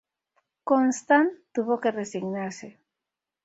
Constant tuvo que resignarse.